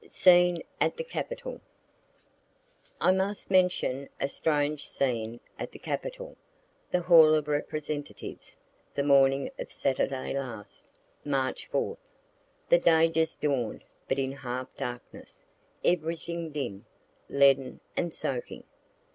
SCENE AT THE CAPITOL I must mention a strange scene at the capitol, the hall of Representatives, the morning of Saturday last, (March 4th.) The day just dawn'd, but in half darkness, everything dim, leaden, and soaking.